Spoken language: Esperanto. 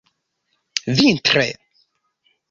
vintre